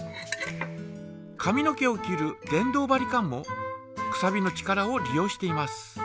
髪の毛を切る電動バリカンもくさびの力を利用しています。